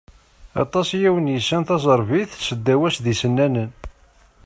Aṭas i awen-yessan taẓerbit, seddaw-as d isennanen.